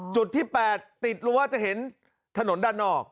จุดที่๘ติดรั้วจะเห็นถนนด้านนอก